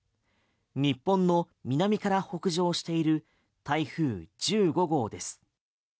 日本の南から北上している台風１５号です。